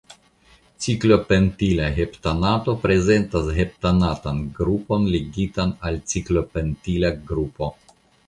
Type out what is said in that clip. Ciklopentila heptanato prezentas heptanatan grupon ligitan al ciklopentila grupo.